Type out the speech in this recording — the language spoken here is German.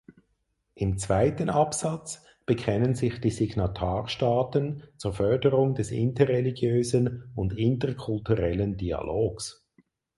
Im zweiten Absatz bekennen sich die Signatarstaaten zur Förderung des interreligiösen und interkulturellen Dialogs.